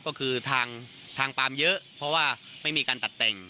ก็คือทางปาล์มเยอะเพราะว่าไม่มีการตัดแต่ง